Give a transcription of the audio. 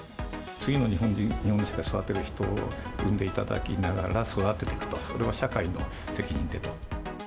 次の日本社会を育てる産んでいただきながら育てていくと、それは社会の責任でと。